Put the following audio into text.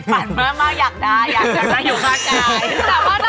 ในฝันมากอยากได้อยากเล่าอยู่แล้วเรากลาย